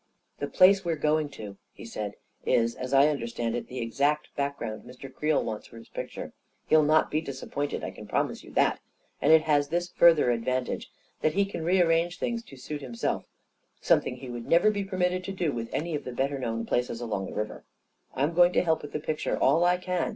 " The place we're going to," he said, " is, as I un derstand it, the exact background Mr. Creel wants for his picture. He'll not be disappointed — I can promise you that — and it has this further advan tage, that he can rearrange things to suit himself — something he would never be permitted to do with any of the better known places along the river. I'm going to help with the picture all I can.